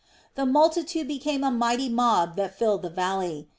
The multitude became a mighty mob that filled the valley.